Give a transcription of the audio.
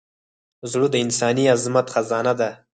زړه د انساني عظمت خزانه ده.